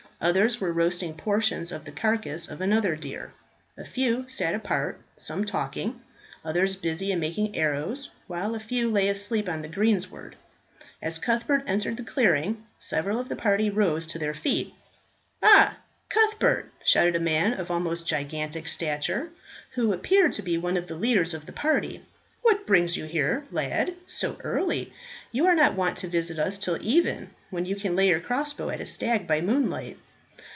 Others were roasting portions of the carcass of another deer. A few sat apart, some talking, others busy in making arrows, while a few lay asleep on the greensward. As Cuthbert entered the clearing, several of the party rose to their feet. "Ah, Cuthbert," shouted a man of almost gigantic stature, who appeared to be one of the leaders of the party, "what brings you here, lad, so early? You are not wont to visit us till even, when you can lay your crossbow at a stag by moonlight."